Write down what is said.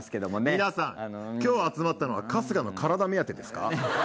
皆さん、今日集まったのは春日の体目当てですか？